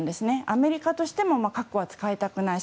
アメリカとしても核は使いたくない。